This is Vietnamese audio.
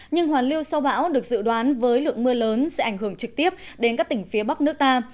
nhưng hoàn lưu sau bão được dự đoán với lượng mưa lớn sẽ ảnh hưởng trực tiếp đến các tỉnh phía bắc nước ta